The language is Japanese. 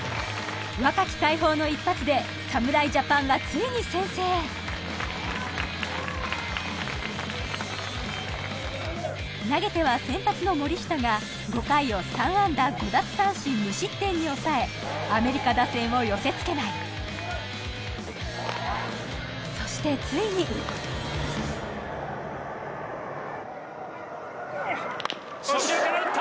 若き大砲の一発で侍ジャパンはついに先制投げては先発の森下が５回を３安打５奪三振無失点に抑えアメリカ打線を寄せ付けないそしてついに初球から打った！